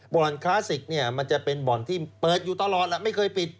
บ่อนคลาสสิกเนี่ยมันจะเป็นบ่อนที่เปิดอยู่ตลอดแหละไม่เคยปิด